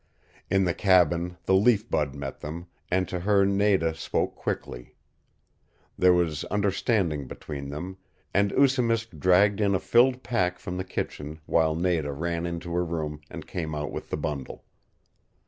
In the cabin the Leaf Bud met them, and to her Nada spoke quickly. There was understanding between them, and Oosimisk dragged in a filled pack from the kitchen while Nada ran into her room and came out with the bundle.